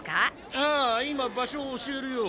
ああ今場所を教えるよ。